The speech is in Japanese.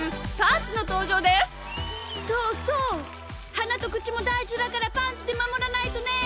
はなとくちもだいじだからパンツでまもらないとね！